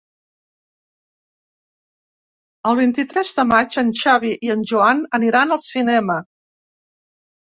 El vint-i-tres de maig en Xavi i en Joan aniran al cinema.